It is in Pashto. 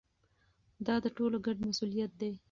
دا د ټولو ګډ مسؤلیت دی.